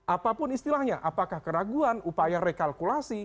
apapun istilahnya apakah keraguan upaya rekalkulasi